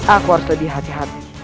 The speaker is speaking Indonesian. aku harus lebih hati hati